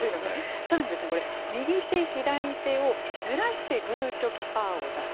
さらにですね、右手左手をずらしてグーチョキパーを出す。